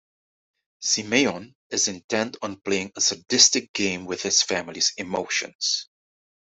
Simeon is intent on playing a sadistic game with his family's emotions.